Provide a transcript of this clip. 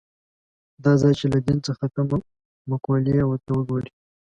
دا ځای چې له دین څخه تمه مقولې ته وګوري.